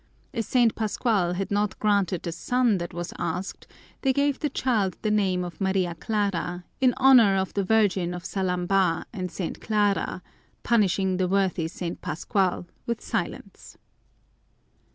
As St. Pascual had not granted the son that was asked, they gave the child the name of Maria Clara, in honor of the Virgin of Salambaw and St. Clara, punishing the worthy St. Pascual with silence.